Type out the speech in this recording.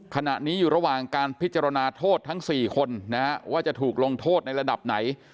ขณะนี้อยู่ระหว่างการพิจารณาโทษทั้ง๔คนว่าจะถูกลงโทษในระดับไหน